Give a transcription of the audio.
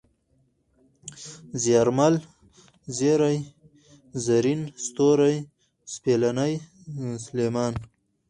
زيارمل ، زېرى ، زرين ، ستوری ، سپېلنی ، سلېمان